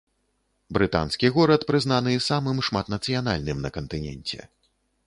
Брытанскі горад прызнаны самым шматнацыянальным на кантыненце.